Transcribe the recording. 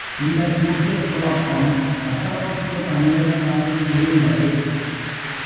இந்தக் கூச்சல், குழப்பம் கப்பலோட்டிய தமிழன் காதில் விழுந்தது.